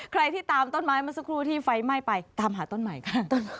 ใครที่ตามต้นไม้เมื่อสักครู่ที่ไฟไหม้ไปตามหาต้นใหม่ค่ะ